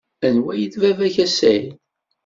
Anwa ay d baba-k a Saɛid.